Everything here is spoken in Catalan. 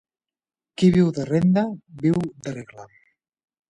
Qui viu de renda, viu de regla.